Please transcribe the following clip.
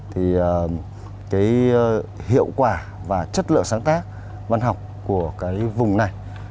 thì cái hiệu quả và chất lượng sáng tác văn học của cái vùng này